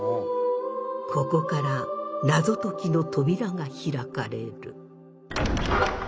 ここから謎解きの扉が開かれる。